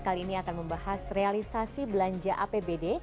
kali ini akan membahas realisasi belanja apbd